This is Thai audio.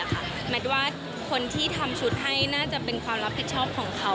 แมทว่าคนที่ทำชุดให้น่าจะเป็นความรับผิดชอบของเขา